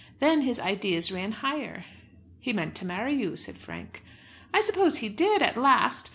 Then his ideas ran higher." "He meant to marry you," said Frank. "I suppose he did, at last.